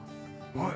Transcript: はい。